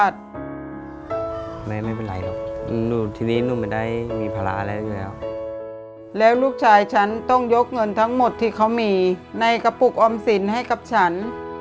ต้องยกเงินทั้งหมดที่เขามีในกระปุกออมสินให้กับฉัน